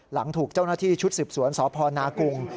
หลังถูกเจ้าหน้าที่ชุดสืบสวนสพนากุง